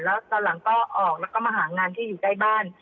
แล้วตอนหลังก็ออกแล้วก็มาหางานที่อยู่ใกล้บ้าน